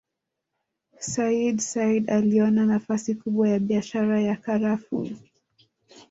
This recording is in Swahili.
Sayyid Said aliona nafasi kubwa ya biashara ya Karafuu